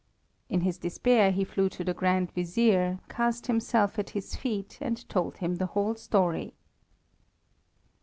In his despair he flew to the Grand Vizier, cast himself at his feet, and told him the whole story.